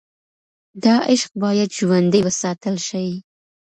دا عشق باید ژوندی وساتل شي.